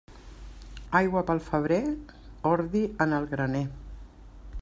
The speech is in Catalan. Aigua pel febrer, ordi en el graner.